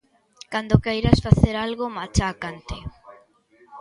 Cando queiras facer algo machácante.